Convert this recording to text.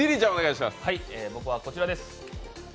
僕はこちらです。